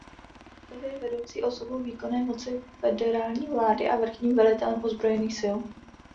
Podle Ústavy je vedoucí osobou výkonné moci federální vlády a vrchním velitelem ozbrojených sil.